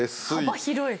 幅広い。